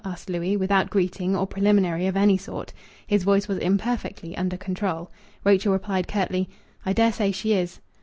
asked Louis, without greeting or preliminary of any sort. His voice was imperfectly under control. Rachel replied curtly "I dare say she is."